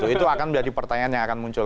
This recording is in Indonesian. itu akan menjadi pertanyaan yang akan muncul